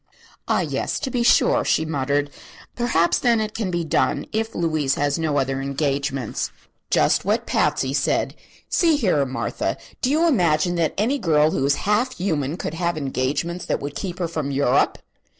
"Ah, yes; to be sure," she muttered. "Perhaps, then, it can be done, if Louise, has no other engagements." "Just what Patsy said. See here, Martha, do you imagine that any girl who is half human could have engagements that would keep her from Europe?"